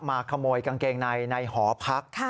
มาขโมยกางเกงในในหอพัก